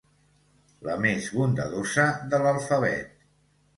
La més bondadosa de l'alfabet.